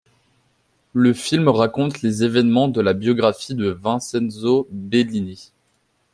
Le film raconte les évènements de la biographie de Vincenzo Bellini.